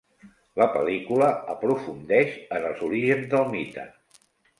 La pel·lícula aprofundeix en els orígens del mite.